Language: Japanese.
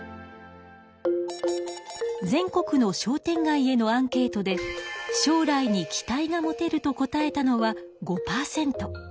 全国の商店街へのアンケートで「将来に期待が持てる」と答えたのは５パーセント。